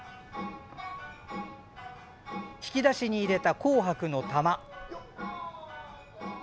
引き出しに入れた紅白の玉。